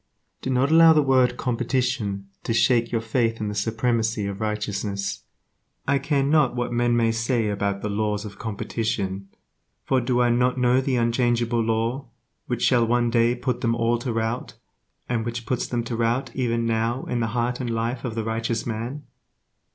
Do not allow the word "competition" to shake your faith in the supremacy of righteousness. I care not what men may say about the "laws of competition," for do I not know the unchangeable Law, which shall one day put them all to rout, and which puts them to rout even now in the heart and life of the righteous man?